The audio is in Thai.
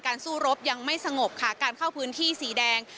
สู้รบยังไม่สงบค่ะการเข้าพื้นที่สีแดง